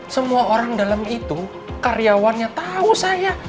semua orang dalam itu karyawannya tahu saya